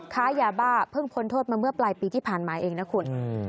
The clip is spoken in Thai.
ค้ายาบ้าเพิ่งพ้นโทษมาเมื่อปลายปีที่ผ่านมาเองนะคุณ